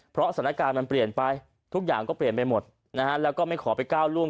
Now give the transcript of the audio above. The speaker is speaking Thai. เพราะสถานการณ์มันเปลี่ยนไปทุกอย่างก็เปลี่ยนไปหมดนะฮะแล้วก็ไม่ขอไปก้าวล่วง